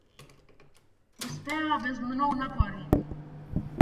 Успеа без многу напори.